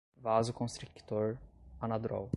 vasoconstrictor, anadrol